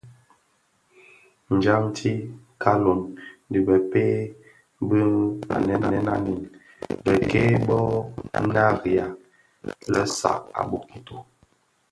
Djanti, Kaaloň dhi bëpeï bi nlanèn anèn bek-kè bō nariya lè saad a bokito.